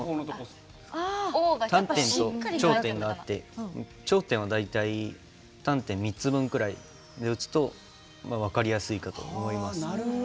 短点と、長点があって長点は大体短点、３つ分ぐらいで打つと分かりやすいかと思います。